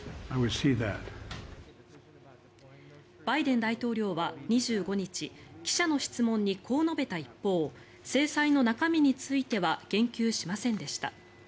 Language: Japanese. バイデン大統領は２５日記者の質問にこう述べた一方制裁の中身については言及しませんでした。